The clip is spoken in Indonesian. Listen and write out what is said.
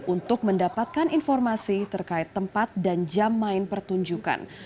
untuk mendapatkan informasi terkait tempat dan jam main pertunjukan